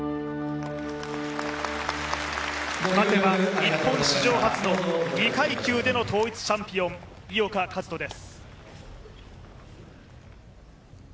日本史上初の２階級での統一チャンピオン井岡一翔です。